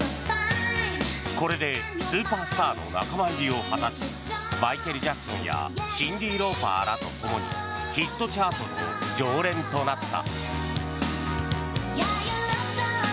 これでスーパースターの仲間入りを果たしマイケル・ジャクソンやシンディ・ローパーらとともにヒットチャートの常連となった。